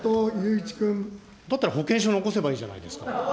だったら保険証、残せばいいじゃないですか。